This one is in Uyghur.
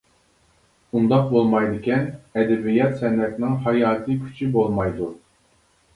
ئۇنداق بولمايدىكەن، ئەدەبىيات-سەنئەتنىڭ ھاياتىي كۈچى بولمايدۇ.